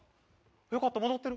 よかった、戻ってる。